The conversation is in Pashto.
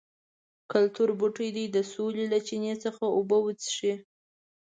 کلتور بوټي دې د سولې له چینې څخه اوبه وڅښي.